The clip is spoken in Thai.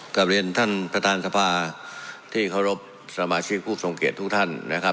กลับเรียนท่านประธานสภาที่เคารพสมาชิกผู้ทรงเกียจทุกท่านนะครับ